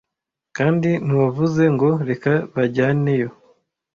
kandi ntiwavuze ngo reka banjyaneyo